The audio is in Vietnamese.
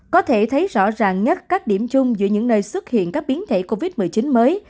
có thể thấy rõ ràng nhất các điểm chung giữa những nơi xuất hiện các biến thể covid một mươi chín mới